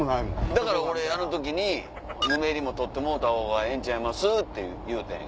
だから俺あの時にぬめりも取ってもろたほうがええんちゃいます？って言うた。